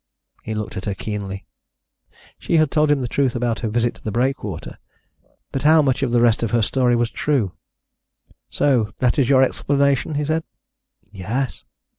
He looked at her keenly. She had told him the truth about her visit to the breakwater, but how much of the rest of her story was true? "So that is your explanation?" he said. "Yes."